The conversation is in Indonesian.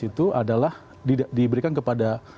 itu adalah diberikan kepada